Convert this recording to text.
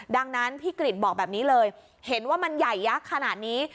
ดังนั้นพี่กริจบอกแบบนี้เลยเห็นว่ามันใหญ่ยักษ์ขนาดนี้